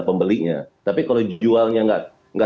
pembelinya tapi kalau jualnya nggak